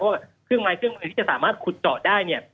เพราะว่าเครื่องไม้เครื่องมือที่จะสามารถขุดเจาะได้เนี่ย